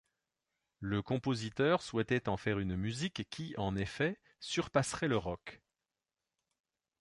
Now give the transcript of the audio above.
Le compositeur souhaitait en faire une musique qui, en effets, surpasserait le rock.